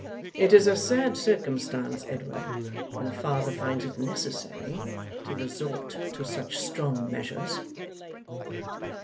It is a sad circumstance, Edward, when a father finds it necessary to resort to such strong measures.